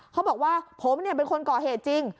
เขาบอกว่าผมเป็นคนก่อเหตุจริง